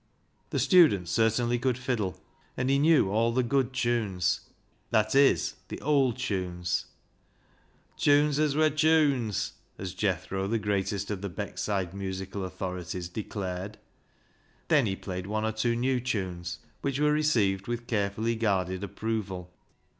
The student certainly could fiddle, and he knew all the good tunes, — i.e. the old tunes, —" tunes as wur tunes," as Jethro, the greatest of the Beckside musical authorities, declared. Then he played one or two new tunes, which were received with carefully guarded approval.